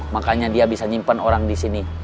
makanya dia bisa nyimpan orang di sini